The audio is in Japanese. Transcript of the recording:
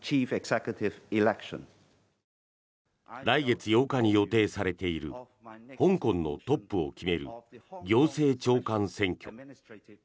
来月８日に予定されている香港のトップを決める行政長官選挙。